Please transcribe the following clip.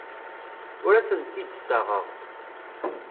Ur asent-d-ssaɣeɣ.